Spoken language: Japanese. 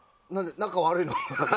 仲悪いの？